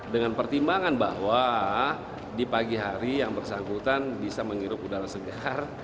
dengan pertimbangan bahwa di pagi hari yang bersangkutan bisa menghirup udara segar